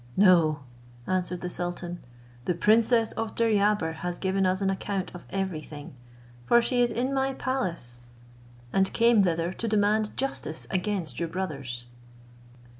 "No," answered the sultan; "the princess of Deryabar has given us an account of every thing, for she is in my palace and came thither to demand justice against your brothers."